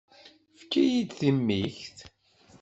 Fket-iyi-d timikt.